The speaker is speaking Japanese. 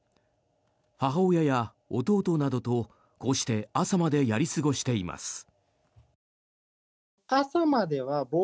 母親や弟などとこうして朝までやり過ごしています。